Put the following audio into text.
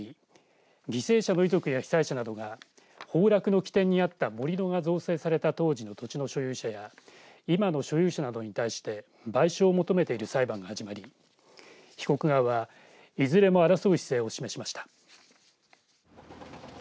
熱海市で起きた土石流をめぐり犠牲者の遺族や被災者などが崩落の起点にあった盛り土が造成された当時の土地の所有者や今の所有者などに対して賠償を求めている裁判が始まり被告側はいずれも争う姿勢を示しました。